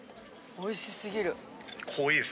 おいし過ぎる。